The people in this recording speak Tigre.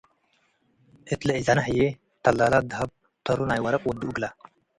እት ለእዘነ ህዬ ተላላት ደሀብ ተሩ ናይ ወርቅ ወዱ እግለ ።